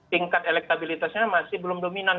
tingkat elektabilitasnya masih belum dominan